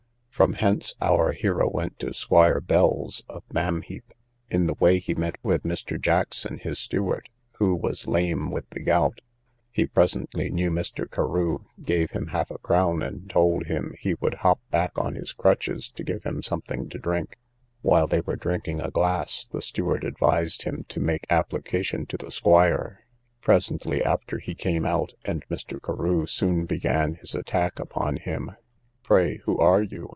From hence our hero went to Squire Bell's, of Mamheap; in the way he met with Mr. Jackson, his steward, who was lame with the gout; he presently knew Mr. Carew, gave him half a crown, and told him, he would hop back on his crutches to give him something to drink. While they were drinking a glass, the steward advised him to make application to the squire. Presently after, he came out, and Mr. Carew soon began his attack upon him. Pray, who are you?